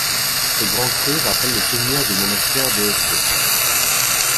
Ce grand cru rappelle le souvenir du monastère des Hautes-Côtes.